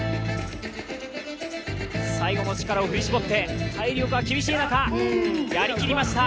最後の力を振り絞って体力厳しい中、やりきりました。